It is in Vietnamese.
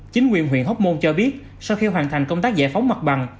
chính quyền huyện hóc môn cho biết sau khi hoàn thành công tác giải phóng mặt bằng